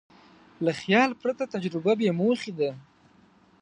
له خیال پرته تجربه بېموخې ده.